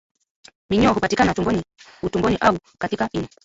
Minyoo hupatikana tumboni utumboni au katika ini